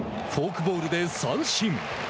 フォークボールで三振。